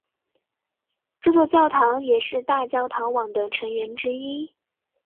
这座教堂也是大教堂网的成员之一。